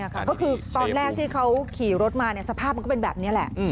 ตอนแรกที่เขาขี่รถมาเนี่ยสภาพมันก็เป็นแบบนี้แล้ว